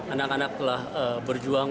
anak anak telah berjuang